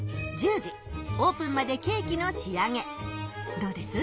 どうです？